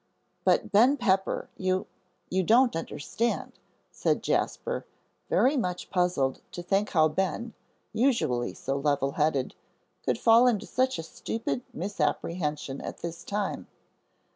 "But Ben Pepper you you don't understand," said Jasper, very much puzzled to think how Ben, usually so level headed, could fall into such a stupid misapprehension at this time.